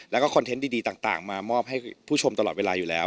แล้วก็คอนเทนต์ดีต่างมามอบให้ผู้ชมตลอดเวลาอยู่แล้ว